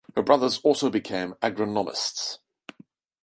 Her brothers also became agronomists.